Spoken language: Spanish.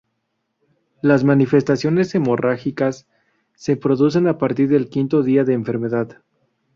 Las manifestaciones hemorrágicas se producen a partir del quinto día de enfermedad.